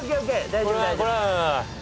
大丈夫大丈夫。